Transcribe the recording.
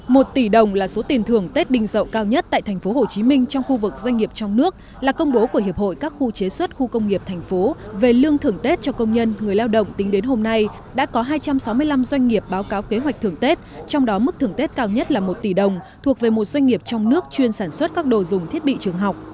một tỷ đồng là số tiền thưởng tết đình dậu cao nhất tại tp hcm trong khu vực doanh nghiệp trong nước là công bố của hiệp hội các khu chế xuất khu công nghiệp tp về lương thưởng tết cho công nhân người lao động tính đến hôm nay đã có hai trăm sáu mươi năm doanh nghiệp báo cáo kế hoạch thưởng tết trong đó mức thưởng tết cao nhất là một tỷ đồng thuộc về một doanh nghiệp trong nước chuyên sản xuất các đồ dùng thiết bị trường học